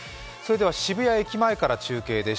渋谷駅前から中継です。